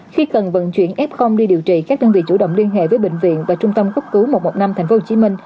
khi cần vận chuyển f đi điều trị các đơn vị chủ động liên hệ với bệnh viện và trung tâm quốc cứu một trăm một mươi năm tp hcm